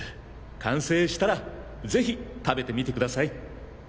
完成したら是非食べてみてください。